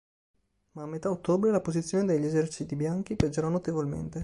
Ma a metà ottobre la posizione degli eserciti bianchi peggiorò notevolmente.